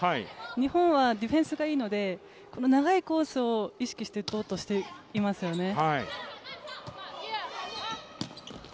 日本はディフェンスがいいので、長いコースを意識していこうとしていますよね。